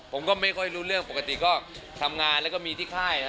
ผมก็ไม่ค่อยรู้เรื่องปกติก็ทำงานแล้วก็มีที่ค่าย